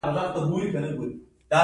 عباس قلي بېګ وويل: په سترګو!